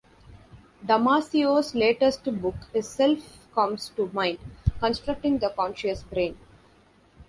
Damasio's latest book is "Self Comes to Mind: Constructing the Conscious Brain".